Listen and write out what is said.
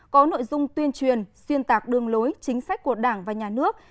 có nội dung tuyên truyền xuyên tạc đường lối chính sách của đảng và nhà nước